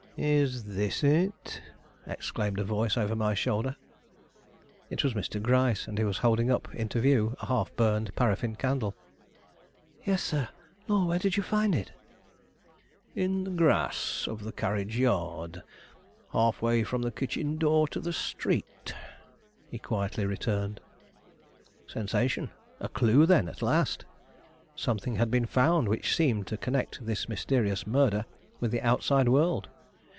"Is this it?" exclaimed a voice over my shoulder. It was Mr. Gryce, and he was holding up into view a half burned paraffine candle. "Yes, sir; lor', where did you find it?" "In the grass of the carriage yard, half way from the kitchen door to the street," he quietly returned. Sensation. A clue, then, at last! Something had been found which seemed to connect this mysterious murder with the outside world.